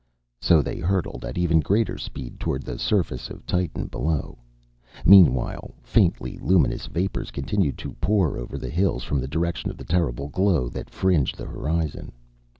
So they hurtled at even greater speed toward the surface of Titan below. Meanwhile, faintly luminous vapors continued to pour over the hills from the direction of the terrible glow that fringed the horizon.